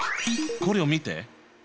これを見て。